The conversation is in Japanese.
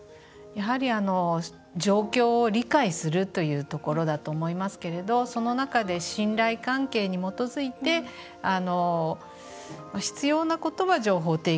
やはり、状況を理解するというところだと思いますけれどその中で信頼関係に基づいて必要なことは情報提供する。